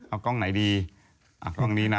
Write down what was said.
เอากล้องไหนดีกล้องนี้นะ